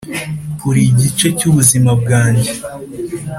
uri igice cy’ubuzima bwanjye